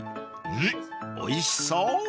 ［うんおいしそう］